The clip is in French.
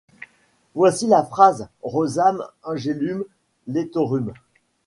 Voici la phrase : Rosam angelum letorum.